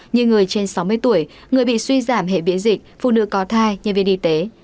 như người trên sáu mươi tuổi người bị suy giảm hệ biễn dịch phụ nữ có thai nhân viên y tế